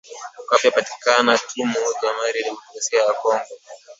Okapi anapatikana tu mu jamhuri ya democrasia ya kongo